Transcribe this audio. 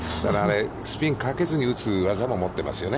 スピンかけずに打つ、技も持ってますよね。